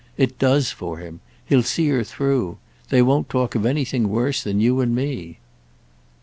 It does for him. He'll see her through. They won't talk of anything worse than you and me."